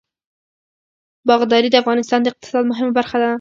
باغداري د افغانستان د اقتصاد مهمه برخه ده.